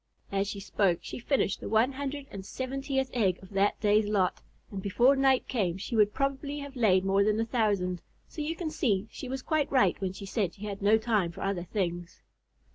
As she spoke, she finished the one hundred and seventeenth egg of that day's lot, and before night came she would probably have laid more than a thousand, so you can see she was quite right when she said she had no time for other things.